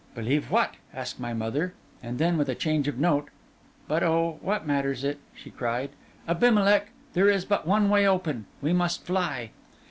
'Believe what?' asked my mother; and then, with a change of note, 'But oh, what matters it?' she cried. 'Abimelech, there is but one way open: we must fly!